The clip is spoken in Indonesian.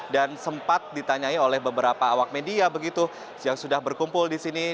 dan sempat ditanyai oleh beberapa awak media yang sudah berkumpul di sini